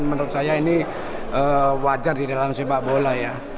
menurut saya ini wajar di dalam sepak bola ya